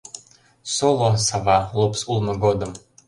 — Соло, сава, лупс улмо годым!